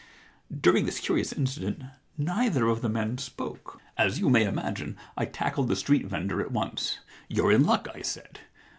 During this curious incident neither of the men spoke. As you may imagine, I tackled the street vendor at once. •"You're in luck," I said.